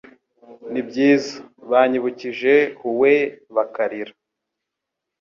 Nibyiza, banyibukije hue bakarira